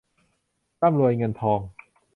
ร่ำรวยเงินทอง